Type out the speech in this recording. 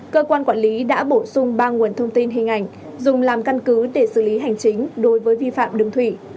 cơ quan quản lý đã bổ sung ba nguồn thông tin hình ảnh dùng làm căn cứ để xử lý hành chính đối với vi phạm đường thủy